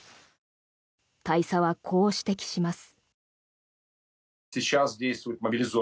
大佐はこう指摘します。